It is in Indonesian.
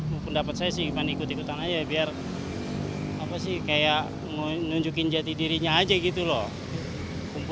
mumpun dapat saya sih ikut ikutan saja biar menunjukkan jati dirinya saja gitu loh